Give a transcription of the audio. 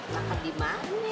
makan di mana